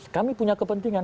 kami punya kepentingan